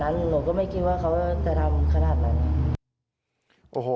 หนูก็ไม่คิดว่าเขาจะทำขนาดนั้น